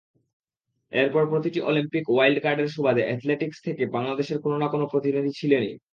এরপর প্রতিটি অলিম্পিকে ওয়াইল্ড কার্ডের সুবাদে অ্যাথলেটিকস থেকে বাংলাদেশের কোনো-না-কোনো প্রতিনিধি ছিলেনই।